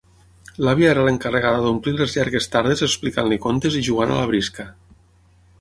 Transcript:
L'àvia era l'encarregada d'omplir les llargues tardes explicant-li contes i jugant a la brisca.